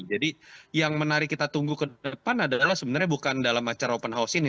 jadi yang menarik kita tunggu ke depan adalah sebenarnya bukan dalam acara open house ini